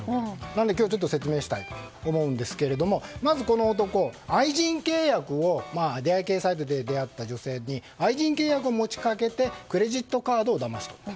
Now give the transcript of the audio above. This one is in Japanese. なのでちょっと説明したいと思うんですが、まずこの男出会い系サイトで出会った女性に愛人契約を持ちかけてクレジットカードをだまし取った。